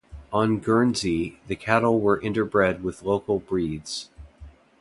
On Guernsey, the cattle were interbred with local breeds.